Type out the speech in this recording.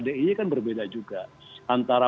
diy kan berbeda juga antara